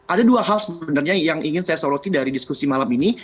ada dua hal sebenarnya yang ingin saya soroti dari diskusi malam ini